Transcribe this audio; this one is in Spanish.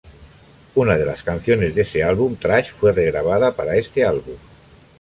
Una de las canciones de ese álbum "Trash" fue regrabada para este álbum.